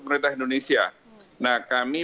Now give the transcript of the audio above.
pemerintah indonesia nah kami